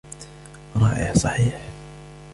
رائع ، صحيح ؟